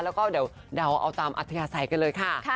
แล้วก็เดี๋ยวเดาเอาตามอัธยาศัยกันเลยค่ะ